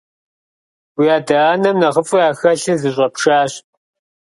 Уи адэ-анэм нэхъыфӀу яхэлъыр зыщӀэпшащ.